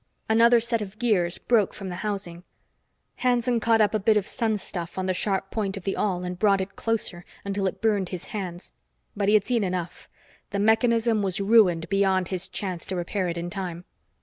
Another set of gears broke from the housing. Hanson caught up a bit of sun stuff on the sharp point of the awl and brought it closer, until it burned his hands. But he had seen enough. The mechanism was ruined beyond his chance to repair it in time.